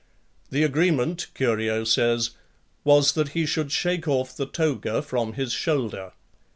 The agreement, Curio says, was that he should shake off the toga from his shoulder.